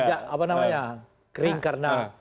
tidak apa namanya kering karena